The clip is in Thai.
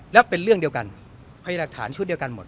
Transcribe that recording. แล้วเป็นเรื่องเดียวกันพยายามหลักฐานชุดเดียวกันหมด